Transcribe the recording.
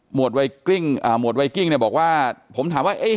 กลิ้งอ่าหมวดไวกิ้งเนี่ยบอกว่าผมถามว่าเอ๊ะ